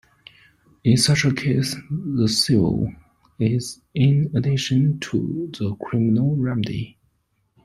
In such a case, the civil is in addition to the criminal remedy.